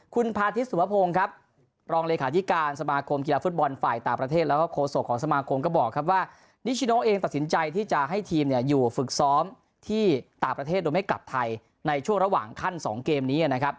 คุณพาทิศสุภพงศ์ครับรองเลขาธิการสมาคมกีฬาฟุตบอลฝ่ายต่างประเทศแล้วก็โคศกของสมาคมก็บอกครับว่านิชโนเองตัดสินใจที่จะให้ทีมอยู่ฝึกซ้อมที่ต่างประเทศโดยไม่กลับไทยในช่วงระหว่างขั้น๒เกมนี้นะครับ